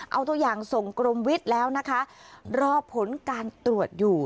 เอาตัวอย่างส่งกรมวิทย์แล้วนะคะรอผลการตรวจอยู่